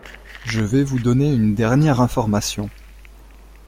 Je vais vous donner une dernière information.